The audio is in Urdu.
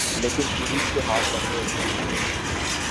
لیکن پولیس کے ہاتھ لمبے ہوتے ہیں۔